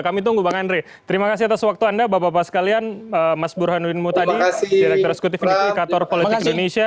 kami tunggu bang andre terima kasih atas waktu anda bapak bapak sekalian mas burhanuddin mutadi direktur eksekutif indikator politik indonesia